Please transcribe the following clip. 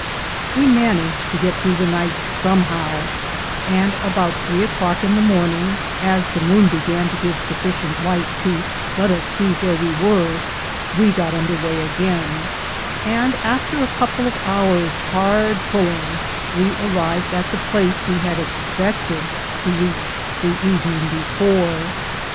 We managed to get through the night somehow, and about three o'clock in the morning, as the moon began to give sufficient light to let us see where we were, we got under way again, and after a couple of hours' hard pulling, we arrived at the place we had expected to reach the evening before.